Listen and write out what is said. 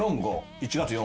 １月４５。